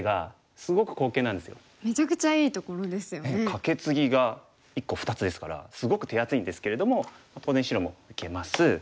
カケツギが１個２つですからすごく手厚いんですけれども当然白も受けます。